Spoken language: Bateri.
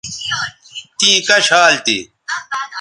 تیں کش حال تھی